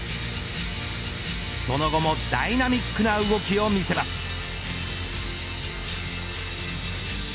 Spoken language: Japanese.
その後もダイナミックな動きを見せます。